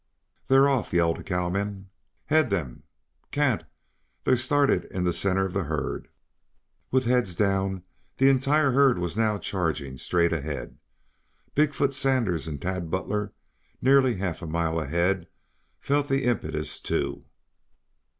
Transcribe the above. "They're off!" yelled a cowman. "Head them!" "Can't. They're started in the center of the herd." With heads down, the entire herd was now charging straight ahead. Big foot Sanders and Tad Butler, nearly half a mile ahead, felt the impetus, too.